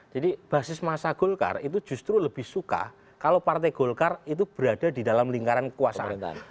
jadi basis masa golkar itu justru lebih suka kalau partai golkar itu berada di dalam lingkaran kekuasaan